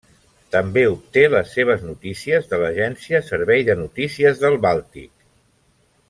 També obté les seves notícies de l'agència Servei de Notícies del Bàltic.